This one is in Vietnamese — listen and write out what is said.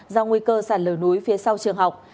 do nguy cơ sạt lở núi phía sau trường học